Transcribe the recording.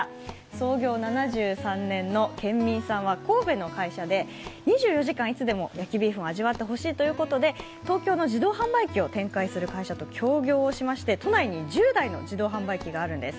創業７３年のケンミンさんは神戸の会社で２４時間いつでも焼ビーフンを味わってほしいということで東京の自動販売機を展開する会社と協業しまして都内に１０台の自動販売機があるんです。